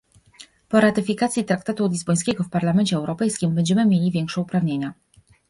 Po ratyfikacji traktatu lizbońskiego w Parlamencie Europejskim będziemy mieli większe uprawnienia